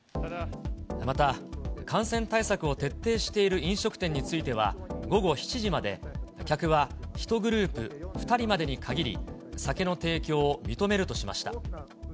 また、感染対策を徹底している飲食店については、午後７時まで客は１グループ２人までに限り、酒の提供を認めるとしました。